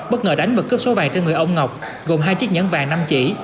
bất ngờ đánh vật cướp số vàng trên người ông ngọc gồm hai chiếc nhẫn vàng năm chỉ